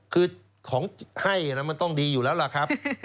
คือของให้มันต้องดีอยู่แล้วล่ะครับ